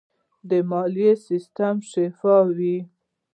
د مالیې سیستم شفاف وي.